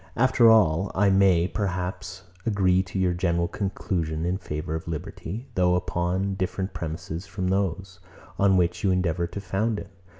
After all, I may, perhaps, agree to your general conclusion in favour of liberty, though upon different premises from those, on which you endeavour to found it.